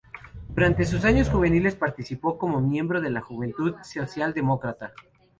Durante sus años juveniles participó como miembro de la juventud socialdemócrata.